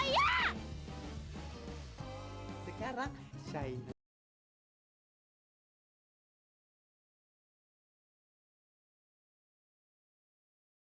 gue benci banget sama lo